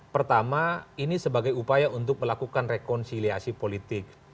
pertama ini sebagai upaya untuk melakukan rekonsiliasi politik